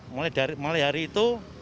mulai dari hari itu